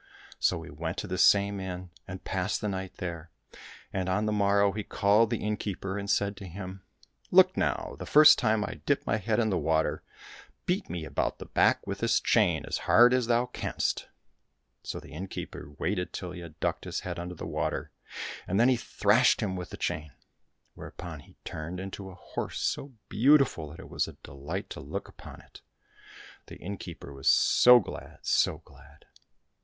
So he went to this same inn and passed the night there, and, on the morrow, he called the innkeeper, and said to him, '' Look now ! the first time I dip my head in the water, beat me about the back with this chain as hard as thou canst." So the innkeeper waited till he had ducked his head under the water, and then he thrashed him with the chain, whereupon he turned into a horse so beautiful that it was a delight to look upon it. The innkeeper was so glad, so glad.